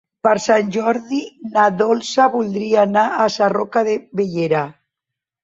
Per Sant Jordi na Dolça voldria anar a Sarroca de Bellera.